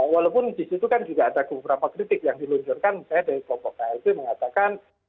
walaupun disitu kan juga ada beberapa kritik yang diluncurkan misalnya dari kelompok klb mengatakan